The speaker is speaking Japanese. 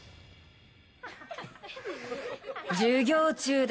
授業中だ